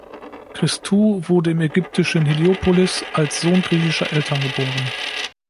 Christou wurde im ägyptischen Heliopolis als Sohn griechischer Eltern geboren.